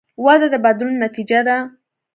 وده د بدلون نتیجه ده.